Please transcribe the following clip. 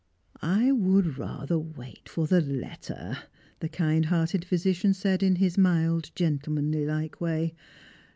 " I would i ather wait for the letter," the kind heaiied physi* ciau said iu his mild gentlemanlike way.